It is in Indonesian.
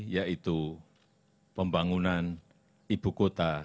yaitu pembangunan ibu kota